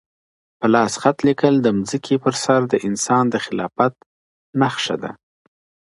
په لاس خط لیکل د ځمکي پر سر د انسان د خلافت نښه ده.